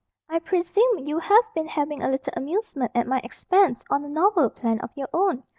I presume you have been having a little amusement at my expense on a novel plan of your own.